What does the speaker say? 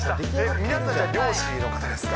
皆さん、漁師の方ですか？